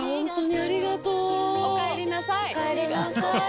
ありがとう。